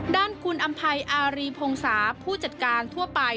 ด้านคุณอำภัยอารีพงศาผู้จัดการทั่วไป